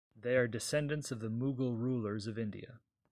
They are descendants of the Mughal rulers of India.